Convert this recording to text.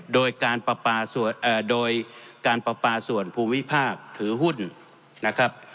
โดยการโดยการประปาส่วนภูมิภาคถือหุ้นนะครับ